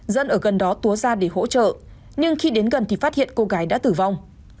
dân ở gần đó túa ra để hỗ trợ nhưng khi đến gần thì phát hiện cô gái đã tử vong